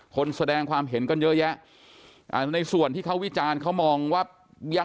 คนแสดงความเห็นกันเยอะแยะในส่วนที่เขาวิจารณ์เขามองว่า